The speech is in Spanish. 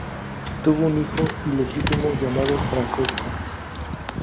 Tuvo un hijo ilegítimo, llamado Francesco.